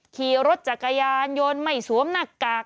ขี่รถจากกายานโยนใหม่สวมหน้ากาก